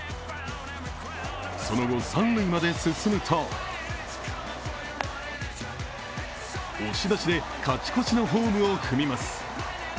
その後、三塁まで進むと押し出しで勝ち越しのホームを踏みます。